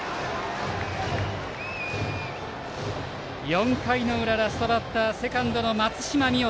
４回の裏、ラストバッターセカンドの松下水音